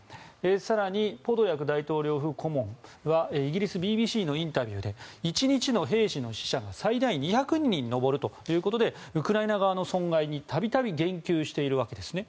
更に、ポドリャク大統領府顧問はイギリスＢＢＣのインタビューで１日の兵士の死者が最大２００人に上るということでウクライナ側の損害に度々言及しているわけですね。